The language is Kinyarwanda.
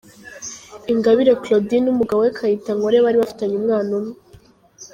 Ingabire Claudine n’umugabo we Kayitankore bari bafitanye umwana umwe.